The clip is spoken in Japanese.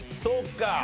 そうか。